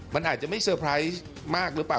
มันอาจจะไม่เซอร์ไพรส์มากหรือเปล่า